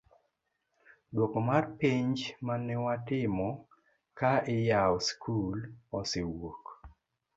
duoko mar penj manewatimo ka iyawo skul osewuok